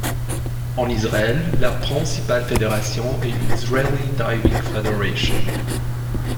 En Israël, la principale fédération est l'Israeli diving federation.